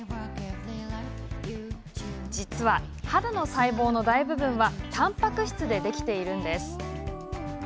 実は、肌の細胞の大部分はたんぱく質でできているんです。